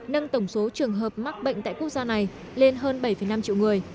nâng tổng số trường hợp mắc bệnh tại quốc gia này lên hơn bảy năm triệu người